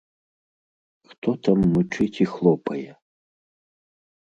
Хто там мычыць і хлопае?